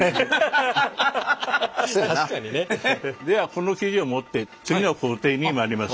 この生地を持って次の工程に参ります。